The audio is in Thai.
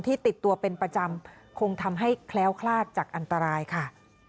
ติดตัวเป็นประจำคงทำให้แคล้วคลาดจากอันตรายค่ะ